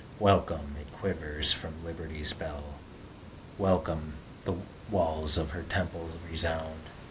Welcome! it quivers from Liberty's bell; Welcome! the walls of her temple resound!